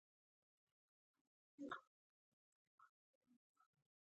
چې ستا پالونکي هغې ته امر کړی زکه خپل خپل خبرونه بيانوي